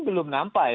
belum nampak ya